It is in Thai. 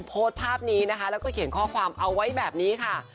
โพสต์ภาพนี้นะคะแล้วก็เขียนข้อความเอาไว้แบบนี้ค่ะ